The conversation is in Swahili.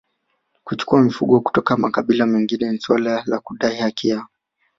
Kuchukua mifugo kutoka makabila mengine ni suala la kudai haki yao